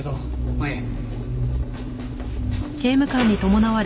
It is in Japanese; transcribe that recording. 前へ。